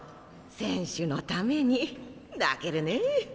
選手のために泣けるねえ！